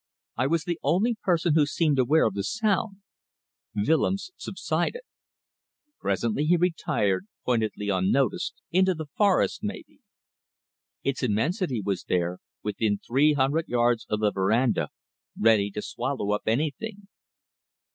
I was the only person who seemed aware of the sound. Willems subsided. Presently he retired, pointedly unnoticed into the forest maybe? Its immensity was there, within three hundred yards of the verandah, ready to swallow up anything.